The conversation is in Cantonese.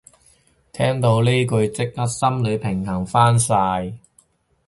聽到呢句即刻心理平衡返晒